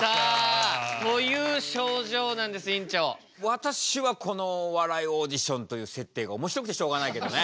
私はこのお笑いオーディションという設定がおもしろくてしょうがないけどね。